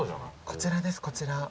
こちらですこちら。